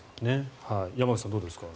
山口さん、どうですか。